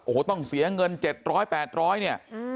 โอ้โหต้องเสียเงิน๗๐๐๘๐๐เนี่ย